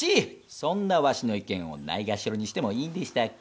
そんなワシの意見をないがしろにしてもいいんでしたっけ？